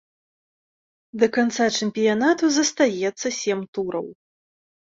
Да канца чэмпіянату застаецца сем тураў.